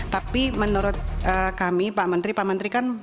tapi menurut kami pak menteri pak menteri kan